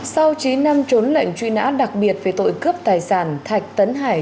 sau chín năm trốn lệnh truy nã đặc biệt về tội cướp tài sản thạch tấn hải